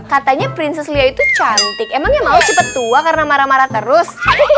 katanya prinses lia itu cantik emang yang mau cepet tua karena marah marah terus